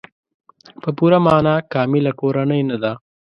په پوره معنا کامله کورنۍ نه ده.